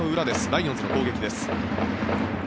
ライオンズの攻撃です。